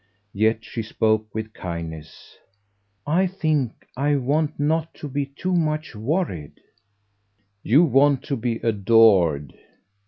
Yet she spoke with kindness. "I think I want not to be too much worried." "You want to be adored."